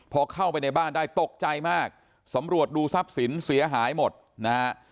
พอเข้าไปในบ้านได้ตกใจมากสำรวจดูทรัพย์สินเสียหายหมดนะฮะ